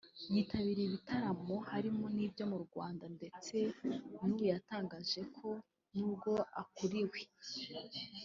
yitabira ibitaramo harimo n'ibyo mu Rwanda ndetse n’ubu yatangaje ko n’ubwo akuriwe